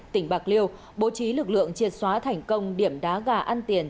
tỉnh bạc liêu bố trí lực lượng triệt xóa thành công điểm đá gà ăn tiền